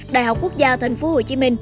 đại học quốc gia tp hcm